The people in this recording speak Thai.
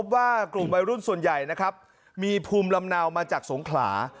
ว่ากลุ่มวัยรุ่นส่วนใหญ่นะครับมีภูมิลำเนามาจากสงขลา